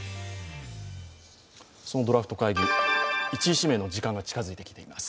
そのドラフト会議、１位指名の時間が近付いています。